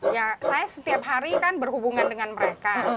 ya saya setiap hari kan berhubungan dengan mereka